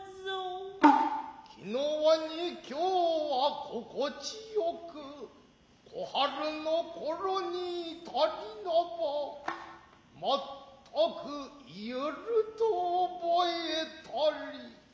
昨日に今日は心地よく小春の頃に至りなば全く癒ゆると覚えたり。